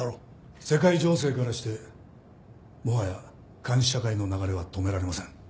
世界情勢からしてもはや監視社会の流れは止められません。